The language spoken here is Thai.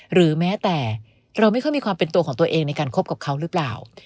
หรือแม้แต่เราไม่ค่อยมีความเป็นตัวของตัวเองในการคบกับเขาหรือเปล่า